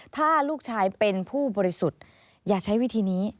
ถ้าลูกชายเป็นผู้บริสุทธิ์อย่าใช้วิธีนี้